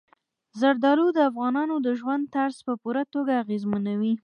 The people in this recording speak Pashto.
زردالو د افغانانو د ژوند طرز په پوره توګه اغېزمنوي.